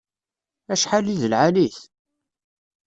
Acḥal i d lɛali-t!